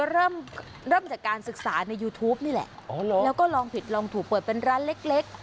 เริ่มเริ่มจากการศึกษาในยูทูปนี่แหละแล้วก็ลองผิดลองถูกเปิดเป็นร้านเล็ก